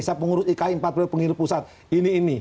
saya pengurus ika empat puluh pengiru pusat ini ini